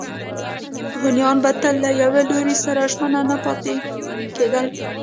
هونیان به تل له یوه لوري سره ژمن نه پاتې کېدل.